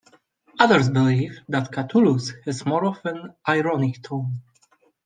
Others believe that Catullus has more of an ironic tone.